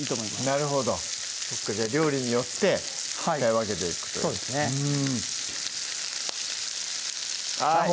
なるほど料理によって使い分けていくというそうですねうんあぁ